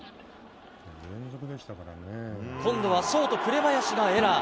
今度はショート、紅林がエラー。